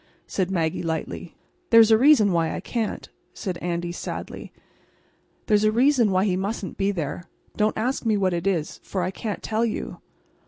said Maggie, lightly. "There's a reason why I can't," said Andy, sadly. "There's a reason why he mustn't be there. Don't ask me what it is, for I can't tell you."